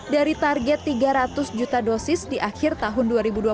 dari target tiga ratus juta dosis di akhir tahun